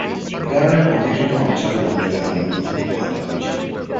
এ কারণে অধিকৃত অঞ্চলের মানুষদের অনেক দুর্ভোগ পোহাতে হয়েছিল।